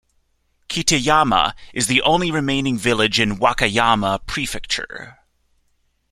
Kitayama is the only remaining village in Wakayama Prefecture.